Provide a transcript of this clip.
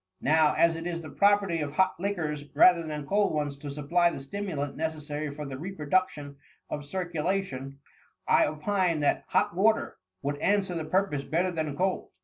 Now, as it is the property of hot liquors, rather than cold ones, to supply the stimulant necessary for the reproduction of circulation, I opine that hot water would an swer the purpose better than cold."